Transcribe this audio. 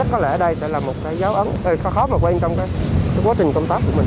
có lẽ ở đây sẽ là một cái giáo ấm khó khó mà quan trọng cái quá trình công tác của mình